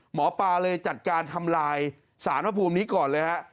หมอปลาเลยจัดการทำลายสารพระภูมินี้ก่อนเลยฮะ